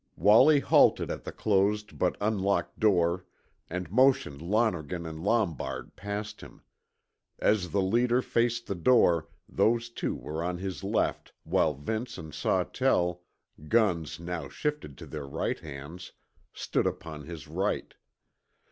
Wallie halted at the closed but unlocked door and motioned Lonergan and Lombard past him. As the leader faced the door those two were on his left, while Vince and Sawtell, guns now shifted to their right hands, stood upon his right.